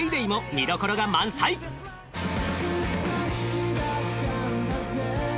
ずっと好きだったんだぜ